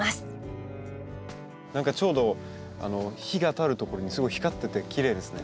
何かちょうど日が当たる所にすごい光っててきれいですね。